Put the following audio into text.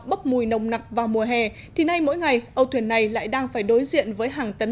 bốc mùi nồng nặc vào mùa hè thì nay mỗi ngày âu thuyền này lại đang phải đối diện với hàng tấn